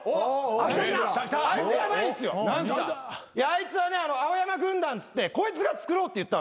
あいつは青山軍団っつってこいつが作ろうって言ったんすよ。